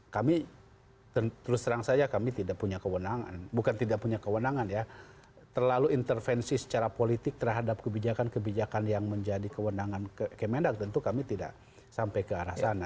kami terus terang saja kami tidak punya kewenangan bukan tidak punya kewenangan ya terlalu intervensi secara politik terhadap kebijakan kebijakan yang menjadi kewenangan kemendak tentu kami tidak sampai ke arah sana